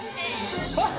あっ！